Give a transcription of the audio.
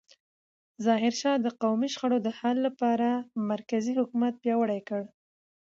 ظاهرشاه د قومي شخړو د حل لپاره مرکزي حکومت پیاوړی کړ.